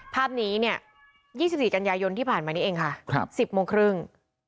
ภาพนี้เนี่ย๒๔กันยายนที่ผ่านมานี้เองค่ะ๑๐โมงครึ่ง